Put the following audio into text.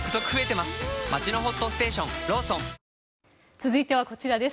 続いてはこちらです。